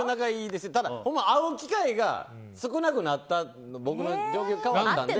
でも会う機会が少なくなった。